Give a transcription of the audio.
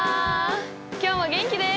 今日も元気です！